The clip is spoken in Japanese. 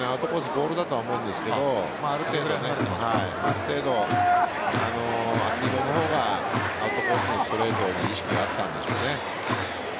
ボールだとは思うんですがある程度秋広の方がアウトコースのストレート意識があったんでしょうね。